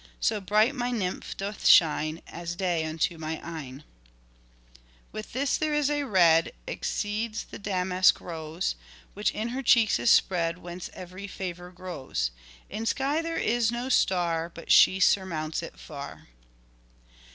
So bright my Nymph doth shine, As day unto my eyne. With this there is a red Exceeds the Damaske Rose, Which in her cheeks is spread ; Whence every favour grows. In sky there is no star But she surmounts it far.